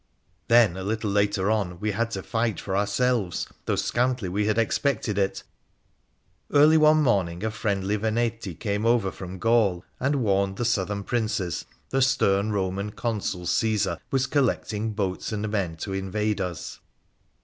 Then, a little later on, we had to fight for ourselves, though scantly we had expected it. Early one autumn a friendly Veneti came over from Gaul and warned the Southern Princes the stern Eoman Consul Caesar was collecting boats and men to invade us.